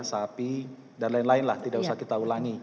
sapi dan lain lain lah tidak usah kita ulangi